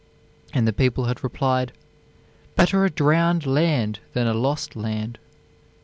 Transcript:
_" and the people had replied: "Better a drowned land than a lost land."